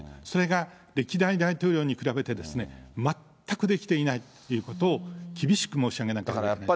それが、歴代大統領に比べて、全くできていないということを厳しく申し上げなければいけない。